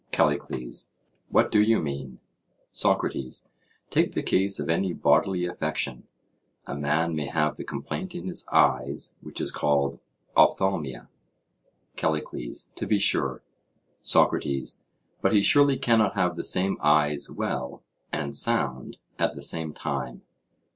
CALLICLES: What do you mean? SOCRATES: Take the case of any bodily affection:—a man may have the complaint in his eyes which is called ophthalmia? CALLICLES: To be sure. SOCRATES: But he surely cannot have the same eyes well and sound at the same time?